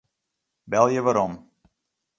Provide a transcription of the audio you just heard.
Belje werom.